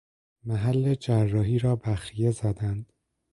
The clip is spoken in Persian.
محل جراحی را بخیه زدند